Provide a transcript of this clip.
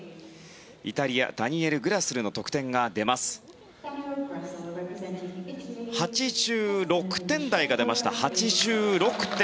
イタリアダニエル・グラスルの得点は８６点台が出ました。